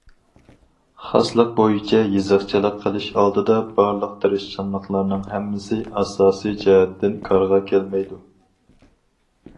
خاسلىق بويىچە يېزىقچىلىق قىلىش ئالدىدا، بارلىق تىرىشچانلىقلارنىڭ ھەممىسى ئاساسىي جەھەتتىن كارغا كەلمەيدۇ.